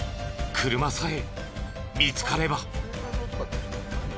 車さえ見つかれば。